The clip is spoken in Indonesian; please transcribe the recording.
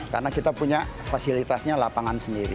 karena kita punya fasilitasnya lapangan sendiri